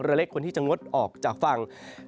เรือเล็กคนที่จะงดออกจากฝั่ง